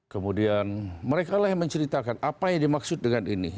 kemudian mereka lah yang menceritakan apa yang dimaksud dengan ini